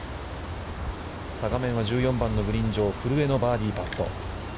画面は１４番のグリーン上古江のバーディーパット。